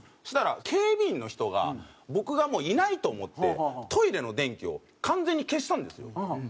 そしたら警備員の人が僕がもういないと思ってトイレの電気を完全に消したんですよ。